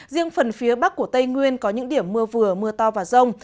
riêng phần phía bắc của tây nguyên có những điểm mưa vừa mưa to và rông